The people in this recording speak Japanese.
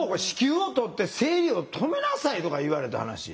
子宮を取って生理を止めなさいとか言われた話。